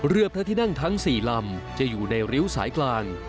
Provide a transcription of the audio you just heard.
เรือพระที่นั่งทั้ง๔ลำจะอยู่ในริ้วสายกลาง